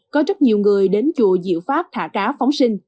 có rất nhiều người đến chùa diệu pháp thả cá phóng sinh